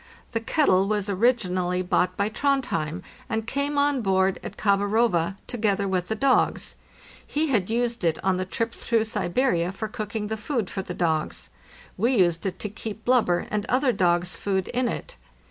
The kettle was originally bought by Trontheim, and came on board at Khabarova, together with the dogs. He had used it on the trip through Siberia for cooking the food for the dogs. We used to keep blubber and other dogs' food in it.